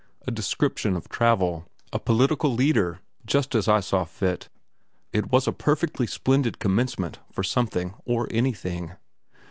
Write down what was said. A description of travel, a political leader, just as I thought fit it was a perfectly splendid commencement for something or anything.